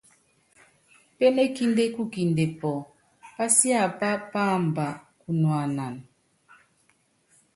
Pémékindé kukinde pɔ́ɔ́, pasiápá páamba kunuanana.